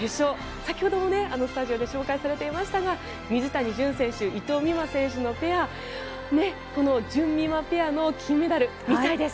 先ほどスタジオで紹介されていましたが水谷隼選手、伊藤美誠選手のペアじゅんみまペアの金メダル見たいです。